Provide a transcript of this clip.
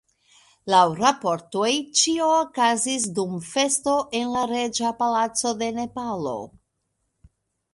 Laŭ raportoj, ĉio okazis dum festo en la reĝa palaco de Nepalo.